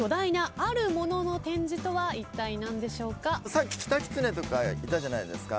さっきキタキツネとかいたじゃないですか。